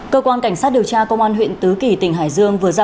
cơ quan cảnh sát điều tra công an huyện tứ kỳ tỉnh hải dương vừa ra